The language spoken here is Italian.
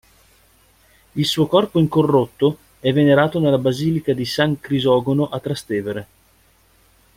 Il suo corpo incorrotto è venerato nella basilica di San Crisogono a Trastevere.